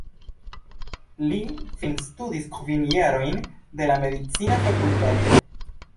Li finstudis kvin jarojn de la medicina fakultato.